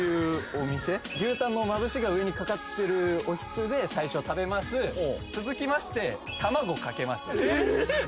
お店牛たんのまぶしが上にかかってるおひつで最初食べます続きまして卵かけますえっ！